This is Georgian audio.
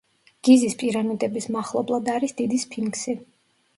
გიზის პირამიდების მახლობლად არის დიდი სფინქსი.